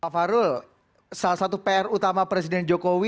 fahrul salah satu pr utama presiden jokowi